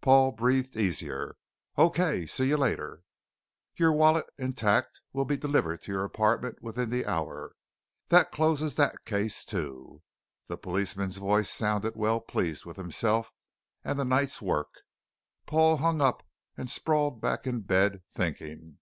Paul breathed easier. "Okay, see you later." "Your wallet, intact, will be delivered to your apartment within the hour. That closes that case, too." The policeman's voice sounded well pleased with himself and the night's work. Paul hung up and sprawled back in bed, thinking.